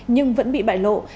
nhưng vẫn bị bại lộ